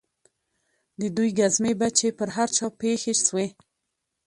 د دوى گزمې به چې پر هر چا پېښې سوې.